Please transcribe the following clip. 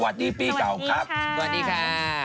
สวัสดีปีเก่าครับสวัสดีค่ะ